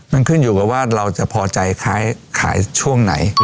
มันขึ้นอยู่กับว่าเราจะพอใจขายช่วงไหน